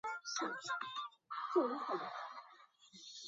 梅庵位于中国广东省肇庆市端州区城西的梅庵岗上。